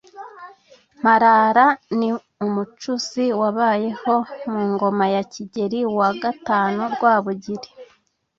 mparara: ni umucuzi wabayeho ku ngoma ya kigeri wa iv rwabugili